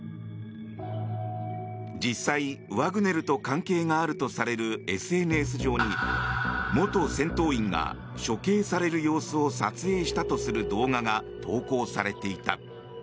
実際ワグネルと関係があるとされるＳＮＳ上に元戦闘員が処刑される様子を撮影したとする動画が投稿されていた。